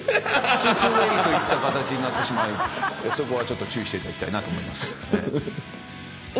ツーツーウェイといった形になってしまいそこは注意していただきたいなと思います。